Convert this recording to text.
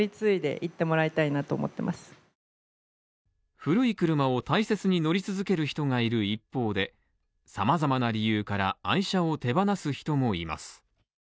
古い車を大切に乗り続ける人がいる一方で様々な理由から愛車を手放す人もいます。